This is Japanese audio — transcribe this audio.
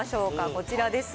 こちらです。